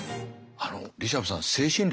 あのリシャブさん精神力